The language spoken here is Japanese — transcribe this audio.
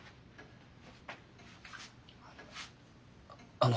あの。